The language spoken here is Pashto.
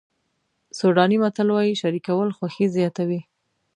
سوډاني متل وایي شریکول خوښي زیاتوي.